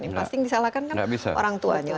yang pasti yang disalahkan kan orang tuanya